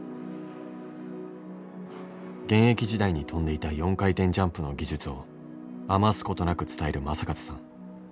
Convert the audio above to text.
現役時代に跳んでいた４回転ジャンプの技術を余すことなく伝える正和さん。